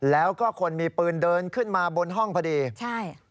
แล้วก็คนมีปืนเดินขึ้นมาบนห้องพอดีใช่